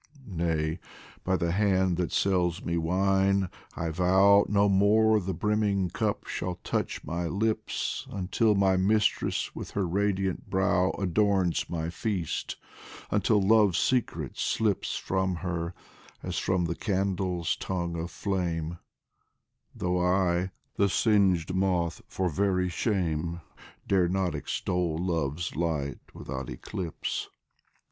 Nay, by the hand that sells me wine, I vow No more the brimming cup shall touch my lips, Until my mistress with her radiant brow Adorns my feast until Love's secret slips From her, as from the candle's tongue of flame, Though I, the singed moth, for very shame, Dare not extol Love's light without eclipse.